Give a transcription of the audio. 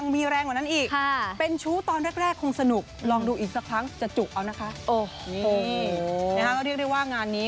ก็เรียกได้ว่างานนี้